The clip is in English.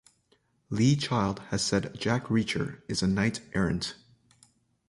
Lee Child has said Jack Reacher is a knight-errant.